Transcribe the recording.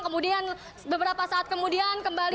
kemudian beberapa saat kemudian kembali